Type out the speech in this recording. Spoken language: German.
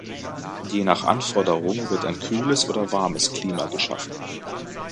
Je nach Anforderung wird ein kühles oder warmes Klima geschaffen.